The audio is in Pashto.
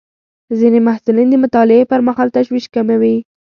ځینې محصلین د مطالعې پر مهال تشویش کموي.